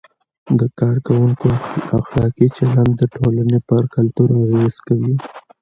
د کارکوونکو اخلاقي چلند د ټولنې پر کلتور اغیز کوي.